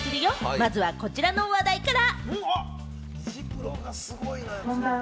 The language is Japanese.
まずはこちらの話題から。